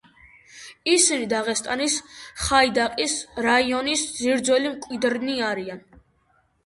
ისინი დაღესტნის ხაიდაყის რაიონის ძირძველი მკვიდრნი არიან.